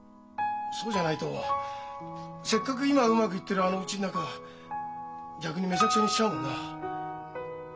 そうじゃないとせっかく今うまくいってるあのうちの中逆にめちゃくちゃにしちゃうもんな。